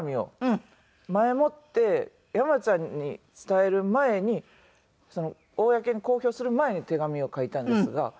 前もって山ちゃんに伝える前に公に公表する前に手紙を書いたんですが。